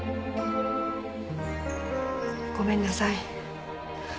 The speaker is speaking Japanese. ごめんなさい。